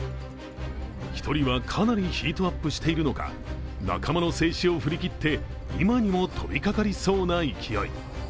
１人はかなりヒートアップしているのか、仲間の制止を振り切って今にも飛びかかりそうな勢い。